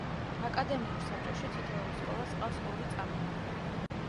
აკადემიურ საბჭოში თითოეულ სკოლას ჰყავს ორი წარმომადგენელი.